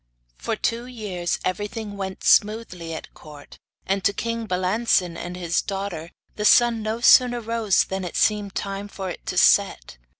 For two years everything went smoothly at court, and to king Balancin and his daughter the sun no sooner rose than it seemed time for it to set.